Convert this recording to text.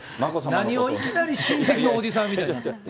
何をいきなり親戚のおじさんみたいに。